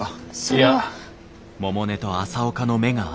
いや。